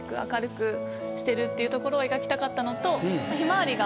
してるっていうところを描きたかったのと。